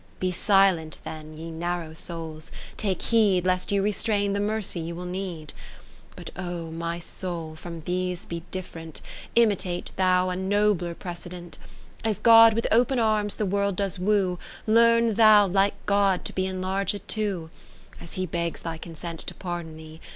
Be silent then, ye narrow souls, take heed Lest you restrain the Mercy you will need. But O my soul, fromthese be different, Imitate thou a nobler precedent : 30 As God with open arms the World does woo, Learn thou like God to be enlarged too; As He begs thy consent to pardon thee.